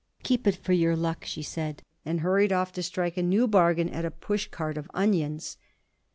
"Keep it for your luck," she said, and hurried off to strike a new bargain at a push cart of onions.